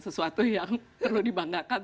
sesuatu yang perlu dibanggakan